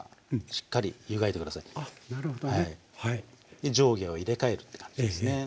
で上下を入れ替えるって感じですね。